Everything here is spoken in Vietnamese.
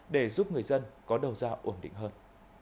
để giúp người dân có đầu ra ổn định hơn